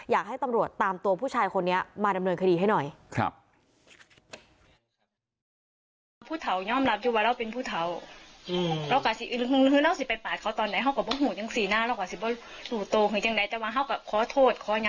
อยากให้ตำรวจตามตัวผู้ชายคนนี้มาดำเนินคดีให้หน่อย